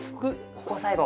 ここを最後。